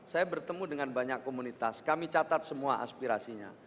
saya bertemu dengan banyak komunitas kami catat semua aspirasinya